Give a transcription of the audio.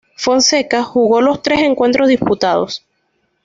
Fonseca jugó los tres encuentros disputados.